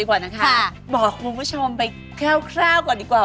กล้วยอะไรคะ